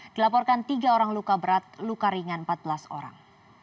dilaporkan tiga orang luka berat luka ringan empat belas orang